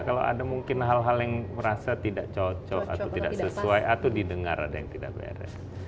kalau ada mungkin hal hal yang merasa tidak cocok atau tidak sesuai atau didengar ada yang tidak beres